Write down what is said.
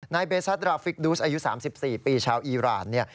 นายเบซัทราฟิกดูสอายุ๓๔ปีชาวอีหร่าน